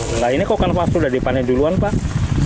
nah ini kok kan waktu udah dipanen duluan pak